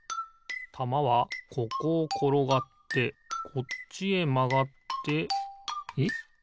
たまはここをころがってこっちへまがってえっ？